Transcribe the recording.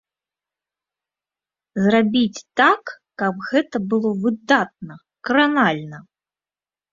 Зрабіць так, каб гэта было выдатна, кранальна.